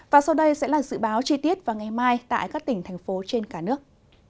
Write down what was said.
và sau đây sẽ là dự báo chi tiết vào ngày mai tại các tỉnh thành phố trên cả nước